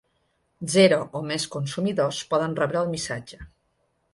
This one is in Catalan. Zero o més consumidors poden rebre el missatge.